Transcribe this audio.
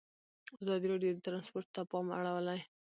ازادي راډیو د ترانسپورټ ته پام اړولی.